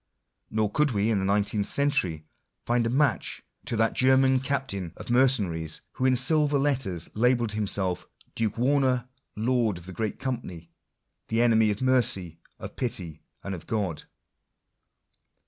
Nor could we in the nineteenth century, find a match to that German captain of d 2 Digitized by VjOOQIC 86 INTRODUCTION. mercenaries, who in silver letters labelled himself — "Duke Werner, Lord of the great Company ; the enemy of mercy, of pity, and of God."